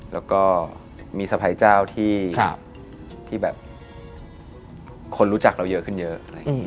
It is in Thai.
แล้วก็มีสะพายเจ้าที่แบบคนรู้จักเราเยอะขึ้นเยอะ